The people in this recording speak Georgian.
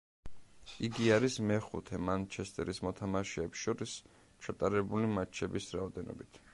იგი არის მეხუთე მანჩესტერის მოთამაშეებს შორის, ჩატარებული მატჩების რაოდენობით.